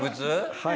はい。